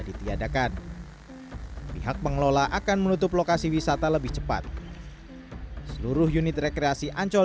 ditiadakan pihak pengelola akan menutup lokasi wisata lebih cepat seluruh unit rekreasi ancol